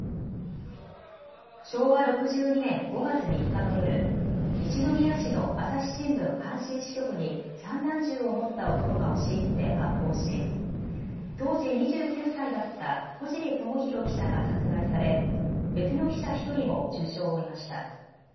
昭和６２年５月３日の夜、西宮市の朝日新聞阪神支局に散弾銃を持った男が押し入って発砲し当時２９歳だった小尻知博記者が殺害され別の記者１人も重傷を負いました。